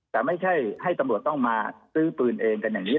แต่ไม่ใช่ให้ตำรวจต้องมาซื้อปืนเองกันอย่างนี้